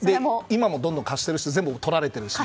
今もどんどん貸しているしどんどん取られてるし。